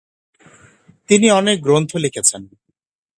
তিনি অনেক গ্রন্থ লিখেছেন।